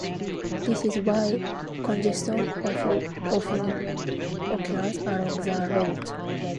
This is why congestion often occurs along the route.